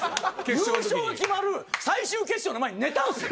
優勝が決まる最終決勝の前に寝たんすよ。